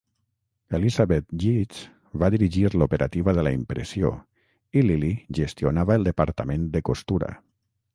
Elizabeth Yeats va dirigir l'operativa de la impressió i Lily gestionava el departament de costura.